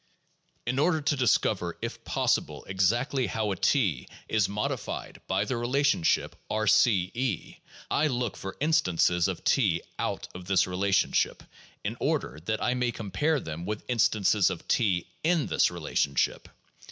In order to discover if possible exactly how a T is modified by the relationship R C (E), I look for instances of T out of this rela tionship, in order that I may compare them with instances of T in this relationship.